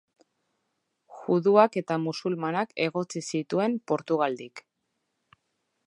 Juduak eta musulmanak egotzi zituen Portugaldik.